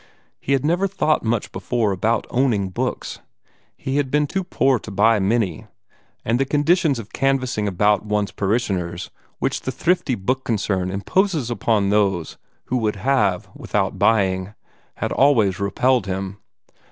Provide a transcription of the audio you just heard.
He had never thought much before about owning books. He had been too poor to buy many, and the conditions of canvassing about among one's parishioners which the thrifty Book Concern imposes upon those who would have without buying, had always repelled him.